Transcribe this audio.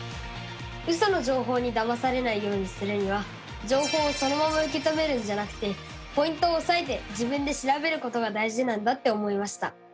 ウソの情報にだまされないようにするには情報をそのまま受け止めるんじゃなくてポイントをおさえて自分で調べることが大事なんだって思いました！